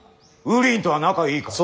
ウリンとは仲いいから。